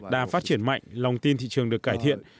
đã phát triển mạnh lòng tin thị trường được cải thiện